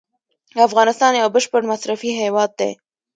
افغانستان یو بشپړ مصرفي هیواد دی.